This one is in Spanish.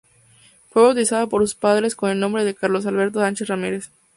Fue bautizado por sus padres con el nombre de Carlos Alberto Sánchez Ramírez.